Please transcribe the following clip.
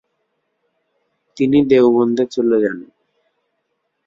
তিনি দেওবন্দে চলে যান।